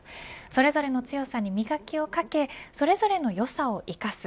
それぞれの強さに磨きをかけそれぞれのよさを生かす